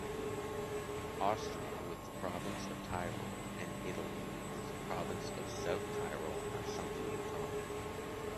Austria with the province of Tyrol and Italy with the province of South Tyrol have something in common.